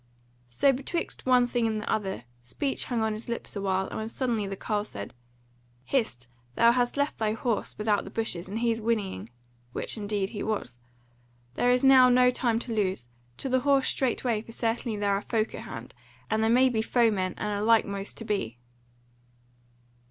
So betwixt one thing and the other, speech hung on his lips awhile, when suddenly the carle said: "Hist! thou hast left thy horse without the bushes, and he is whinnying" (which indeed he was), "there is now no time to lose. To horse straightway, for certainly there are folk at hand, and they may be foemen, and are most like to be."